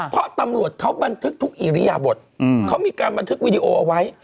เพราะตำรวจเขาบันทึกทุกอิริยบทเขามีการบันทึกวีดีโอเอาไว้